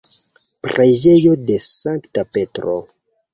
Preĝejo de Sankta Petro.